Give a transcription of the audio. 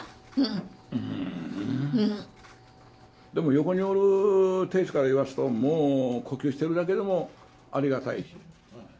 でも、横におる亭主から言わすと、もう呼吸しているだけでもありがたいし。